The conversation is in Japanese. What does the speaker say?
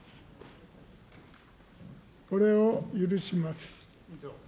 これを許します。